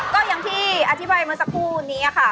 ก็อย่างที่อธิบายเมื่อสักครู่นี้ค่ะ